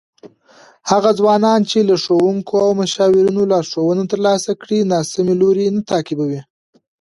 هغه ځوانان چې له ښوونکو او مشاورینو لارښوونه ترلاسه کړي، ناسمې لارې نه تعقیبوي.